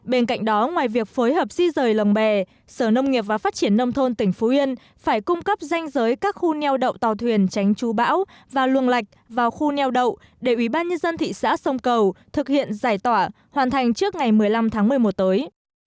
bên cạnh đó ngoài việc phối hợp di rời lồng bè sở nông nghiệp và phát triển nông thôn tỉnh phú yên phải cung cấp danh giới các khu neo đậu tàu thuyền tránh chú bão và luồng lạch vào khu neo đậu để ubnd thị xã sông cầu thực hiện giải tỏa hoàn thành trước ngày một mươi năm tháng một mươi một tới